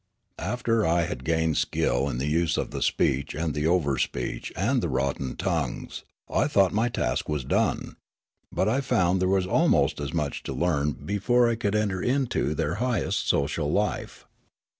After I had gained skill in the use of the speech and the overspeech and the rotten tongues I thought my task was done. But I found there was almost as much to learn before I could enter into their highest social life.